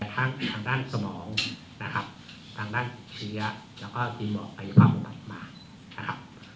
ทั้งด้านสมองทางด้านเชื้อแล้วก็กินหมอกายภาพมาก